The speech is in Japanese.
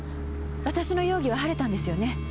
私の容疑は晴れたんですよね？